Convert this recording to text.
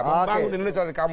membangun indonesia dari kampung